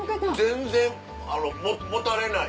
全然もたれない。